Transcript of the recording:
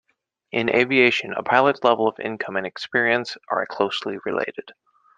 In aviation, a pilot's level of income and experience are closely related.